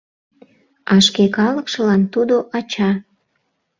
А шке калыкшылан тудо — ача.